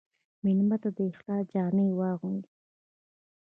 مېلمه ته د اخلاص جامې واغوندې.